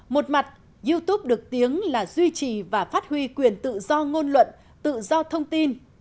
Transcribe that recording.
một mặt youtube được tiếng là duy trì và phát huy quyền tự do ngôn luận tự do thông tin